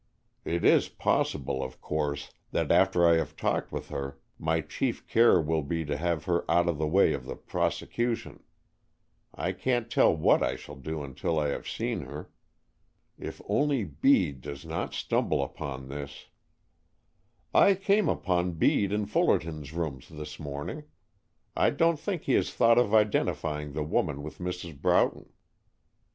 It is possible, of course, that after I have talked with her my chief care will be to have her out of the way of the prosecution. I can't tell what I shall do until I have seen her. If only Bede does not stumble upon this, " "I came upon Bede in Fullerton's rooms this morning. I don't think he has thought of identifying the woman with Mrs. Broughton."